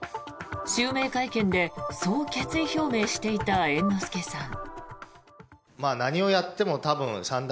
襲名会見でそう決意表明していた猿之助さん。